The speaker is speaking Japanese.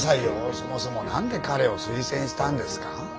そもそも何で彼を推薦したんですか？